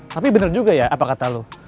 tapi benar juga ya apa kata lo